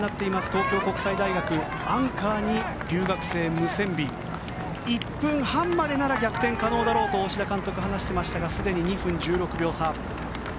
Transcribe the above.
東京国際大学アンカーに留学生、ムセンビ１分半までなら逆転可能だろうと大志田監督話していましたがすでに２分１６秒差。